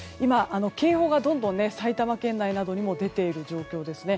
警報がどんどん埼玉県内などに出ている状況ですね。